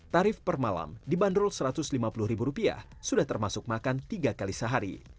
tarif per malam dibanderol rp satu ratus lima puluh sudah termasuk makan tiga kali sehari